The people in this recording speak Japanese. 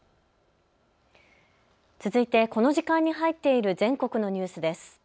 続いてこの時間に入っている全国のニュースです。